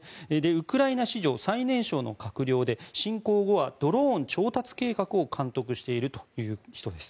ウクライナ史上最年少の閣僚で侵攻後はドローン調達計画を監督しているという人です。